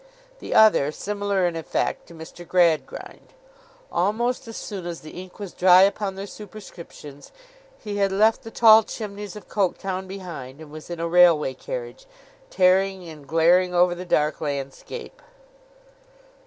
The other, similar in effect, to Mr. Gradgrind. Almost as soon as the ink was dry upon their superscriptions, he had left the tall chimneys of Coketown behind, and was in a railway carriage, tearing and glaring over the dark landscape.